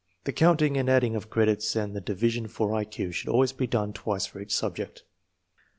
The counting and adding of credits and the divi sion for I Q should always be done twice for each sub ject.